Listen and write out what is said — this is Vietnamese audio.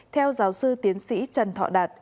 theo giáo sư tiến sĩ trần thọ đạt